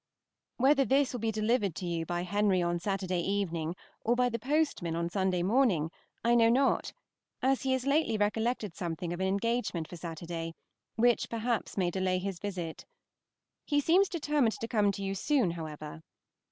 Whether this will be delivered to you by Henry on Saturday evening, or by the postman on Sunday morning, I know not, as he has lately recollected something of an engagement for Saturday, which perhaps may delay his visit. He seems determined to come to you soon, however.